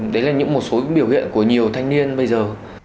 đấy là những một số biểu hiện của nhiều thanh niên bây giờ